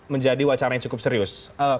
menjadi wacana yang cukup serius